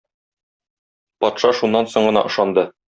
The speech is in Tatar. Патша шуннан соң гына ышанды.